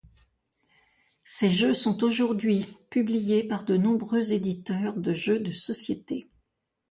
Ses jeux sont aujourd'hui publiés par de nombreux éditeurs de jeux de société.